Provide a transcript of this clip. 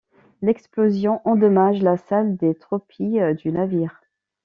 L'explosion endommage la salle des torpilles du navire.